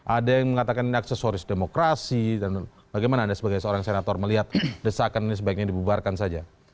ada yang mengatakan ini aksesoris demokrasi dan bagaimana anda sebagai seorang senator melihat desakan ini sebaiknya dibubarkan saja